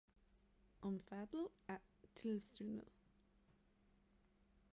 omfattet af tilsynet